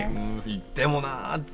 行ってもなあって？